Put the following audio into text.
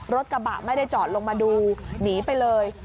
รถกระบะไม่ได้จอดลงมาดูหนีไปเลย